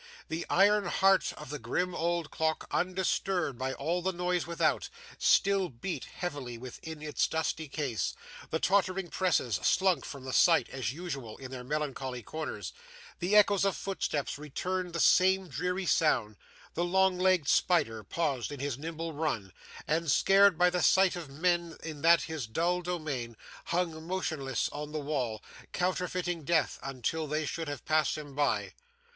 The iron heart of the grim old clock, undisturbed by all the noise without, still beat heavily within its dusty case; the tottering presses slunk from the sight, as usual, in their melancholy corners; the echoes of footsteps returned the same dreary sound; the long legged spider paused in his nimble run, and, scared by the sight of men in that his dull domain, hung motionless on the wall, counterfeiting death until they should have passed him by.